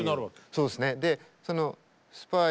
そうですね。